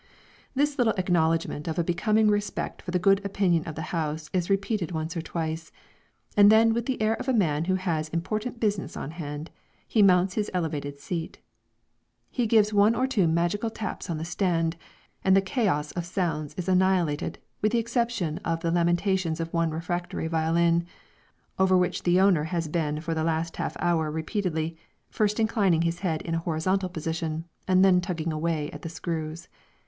This little acknowledgment of a becoming respect for the good opinion of the house is repeated once or twice, and then with the air of a man who has important business on hand, he mounts his elevated seat. He gives one or two magical taps on the stand, and the chaos of sounds is annihilated with the exception of the lamentations of one refractory violin, over which the owner has been for the last half hour repeatedly, first inclining his head in a horizontal position, and then tugging away at the screws.